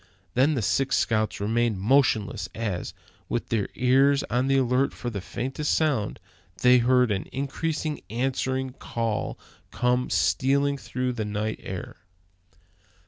Then the six scouts remained motionless, as, with their ears on the alert for the faintest sounds, they heard an increasing answering call come stealing through the night air.